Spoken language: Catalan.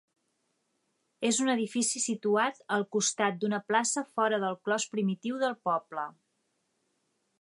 És un edifici situat al costat d'una plaça fora del clos primitiu del poble.